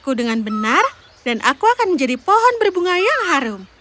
aku akan mencabut bunga bunga itu dengan benar dan aku akan menjadi pohon berbunga yang harum